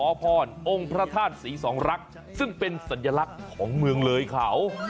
ขอพรองค์พระธาตุศรีสองรักซึ่งเป็นสัญลักษณ์ของเมืองเลยเขา